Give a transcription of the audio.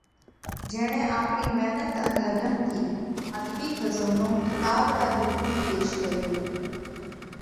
جيڻئہ آپرِي مينت ان لڳنَ ٿِي اڌبِي کزونو ڪِتاٻ را رُوپ ۾ پيش ڪريوه۔